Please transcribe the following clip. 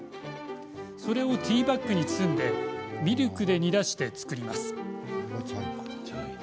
それをティーバッグに包んでミルクで煮出して、作ります。